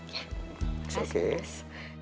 ya makasih mas